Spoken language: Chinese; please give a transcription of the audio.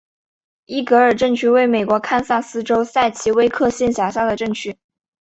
伊格尔镇区为美国堪萨斯州塞奇威克县辖下的镇区。